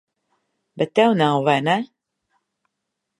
Bet tev nav, vai ne?